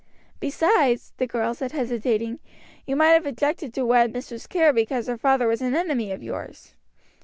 "Besides," the girl said hesitating, "you might have objected to wed Mistress Kerr because her father was an enemy of yours."